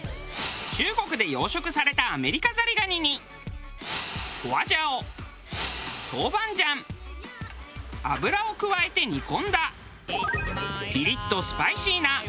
中国で養殖されたアメリカザリガニに花椒豆板醤油を加えて煮込んだピリッとスパイシーな。